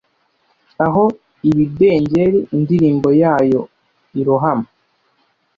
aho ibidengeri indirimbo yayo irohama